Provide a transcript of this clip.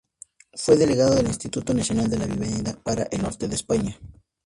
Fue delegado del Instituto Nacional de la Vivienda para el norte de España.